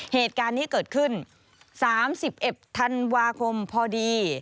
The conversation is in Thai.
เหตุการณ์ที่เกิดขึ้น๓๑ธันวาคมพอดี